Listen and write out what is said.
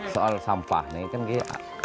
soal sampah ini kan kita